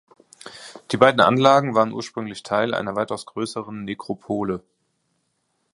Die beiden Anlagen waren ursprünglich Teil einer weitaus größeren Nekropole.